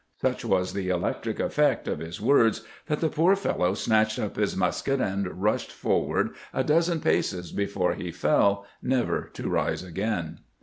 Such was the electric effect of his words that the poor f eUow snatched up his musket, and rushed forward a dozen paces before he feU, never to rise again.